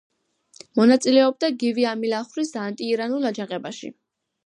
მონაწილეობდა გივი ამილახვრის ანტიირანულ აჯანყებაში.